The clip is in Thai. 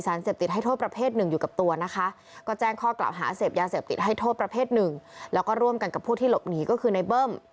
ยาเสียบติดให้โทษประเภทหนึ่งแล้วก็ร่วมกันกับพวกที่หลบหนีก็คือในเบิ้ม